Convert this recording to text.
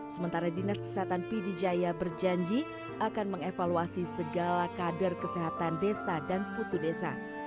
sementara dinas kesehatan pidijaya berjanji akan mengevaluasi segala kader kesehatan desa dan putu desa